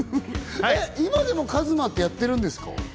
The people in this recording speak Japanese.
今でもＫＡＺＭＡってやってるんですか？